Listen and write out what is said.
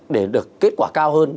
để được kết quả cao hơn